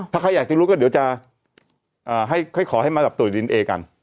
ถ้าใครอยากจะรู้ก็เดี๋ยวจะขอให้มาตรวจดินเอกัน